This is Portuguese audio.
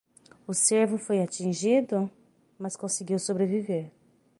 O cervo foi atingido? mas conseguiu sobreviver.